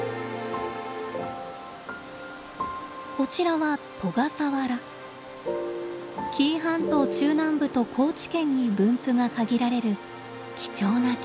こちらは紀伊半島中南部と高知県に分布が限られる貴重な木です。